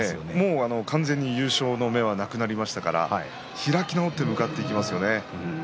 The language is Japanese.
優勝の目はなくなりましたから開き直って向かっていきますよね。